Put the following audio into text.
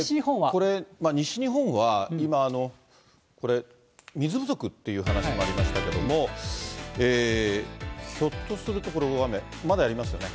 これ、西日本は今、これ、水不足って話もありましたけども、ひょっとすると、これ、大雨。まだやりますよね？